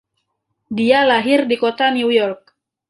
Dia lahir di Kota New York.